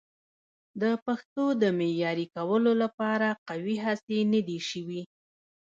د پښتو د معیاري کولو لپاره قوي هڅې نه دي شوي.